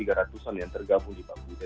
tiga ratus an yang tergabung di paku ite